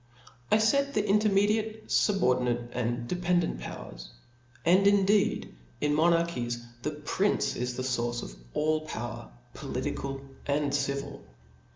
I faid, . the intermediate^ fubordinate and dependent powers^ And indeed, in monarchies the prince is the fource of all power political and civil.